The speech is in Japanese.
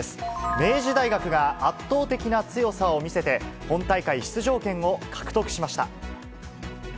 明治大学が圧倒的な強さを見せて、本大会出場権を獲得しました。